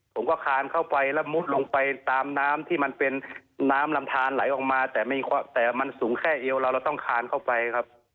ผมก็คานเข้าไปแล้วมุดลงไปตามน้ำที่มันเป็นน้ำลำทานไหลออกมาแต่มันสูงแค่เอวเราเราต้องคานเข้าไปครับ